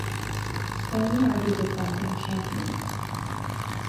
Spain are the defending champions.